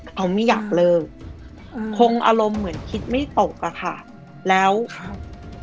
เขาไม่อยากเลิกอืมคงอารมณ์เหมือนคิดไม่ตกอ่ะค่ะแล้วครับ